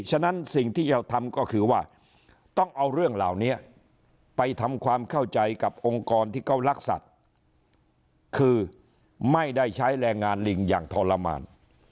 ฉะนั้นสิ่งที่จะทำก็คือว่าต้องเอาเรื่องเหล่านี้ไปทำความเข้าใจกับองค์กรที่เขารักสัตว์คือไม่ได้ใช้แรงงานลิงอย่างทรมาน